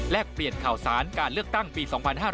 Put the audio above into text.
เปลี่ยนข่าวสารการเลือกตั้งปี๒๕๕๙